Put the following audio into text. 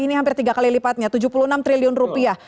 ini hampir tiga kali lipatnya tujuh puluh enam triliun rupiah